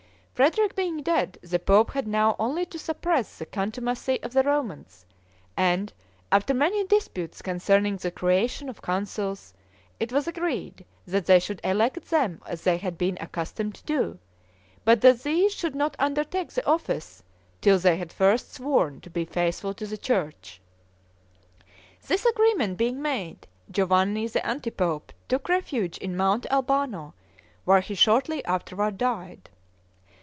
Frederick being dead, the pope had now only to suppress the contumacy of the Romans; and, after many disputes concerning the creation of consuls, it was agreed that they should elect them as they had been accustomed to do, but that these should not undertake the office, till they had first sworn to be faithful to the church. This agreement being made, Giovanni the anti pope took refuge in Mount Albano, where he shortly afterward died.